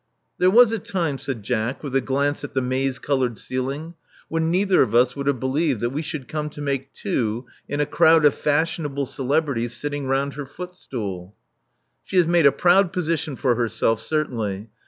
There was a time, said Jack, with a glance at the maize colored ceiling, when neither of us would have believed that we should come to make two in a crowd of fashionable celebrities sitting round her footstool.*' She has made a proud position for herself, certainly.